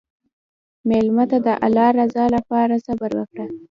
مېلمه ته د الله رضا لپاره صبر وکړه.